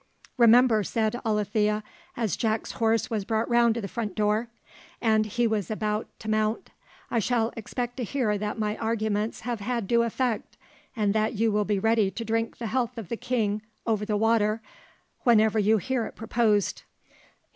"Remember," said Alethea, as Jack's horse was brought round to the front door, and he was about to mount, "I shall expect to hear that my arguments have had due effect, and that you will be ready to drink the health of the king over the water, whenever you hear it proposed."